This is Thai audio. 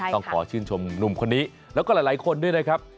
ต้องขอชื่นชมหนุ่มคนนี้แล้วก็หลายคนด้วยนะครับ